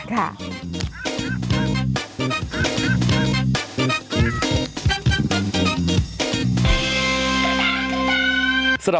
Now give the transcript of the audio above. ค่ะ